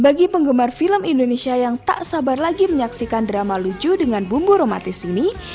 bagi penggemar film indonesia yang tak sabar lagi menyaksikan drama lucu dengan bumbu romantis ini